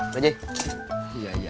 mbak laras apa kabar